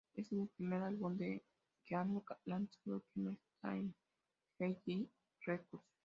Éste es el primer álbum que han lanzado que no está en Hellcat Records.